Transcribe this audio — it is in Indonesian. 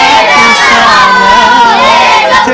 pilih butet ya